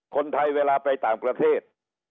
คนไทยเวลาไปต่างประเทศ